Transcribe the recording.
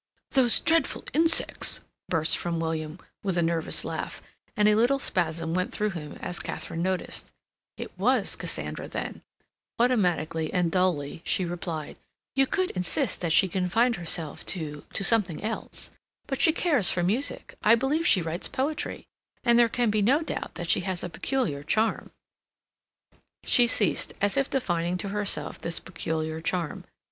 "Those dreadful insects!" burst from William, with a nervous laugh, and a little spasm went through him as Katharine noticed. It was Cassandra then. Automatically and dully she replied, "You could insist that she confined herself to—to—something else.... But she cares for music; I believe she writes poetry; and there can be no doubt that she has a peculiar charm—" She ceased, as if defining to herself this peculiar charm.